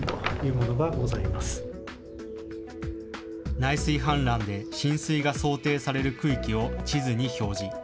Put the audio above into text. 内水氾濫で浸水が想定される区域を地図に表示。